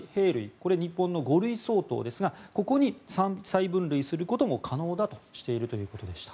これは日本の５類相当ですがここに再分類することも可能だとしているということでした。